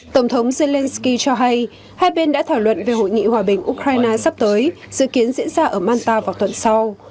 tổng thống zelensky cho hay hai bên đã thảo luận về hội nghị hòa bình ukraine sắp tới dự kiến diễn ra ở manta vào tuần sau